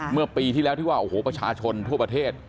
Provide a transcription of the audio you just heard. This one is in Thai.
เมื่อปีที่แล้วที่ว่าโอ้โหประชาชนทั่วประเทศ